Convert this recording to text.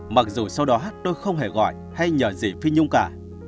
mặc dù sau đó tôi không hề gọi hay nhờ gì phi nhung cả